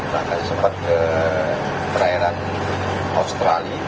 bahkan sempat ke perairan australia